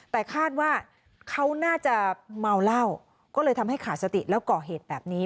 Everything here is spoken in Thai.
แต่คาดว่าเขาน่าจะเมาเหล้าก็เลยทำให้ขาดสติแล้วก่อเหตุแบบนี้